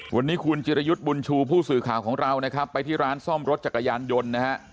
วันนี้คุณจิรยุทธ์บุญชูผู้สื่อข่าวของเรานะครับไปที่ร้านซ่อมรถจักรยานยนต์นะฮะ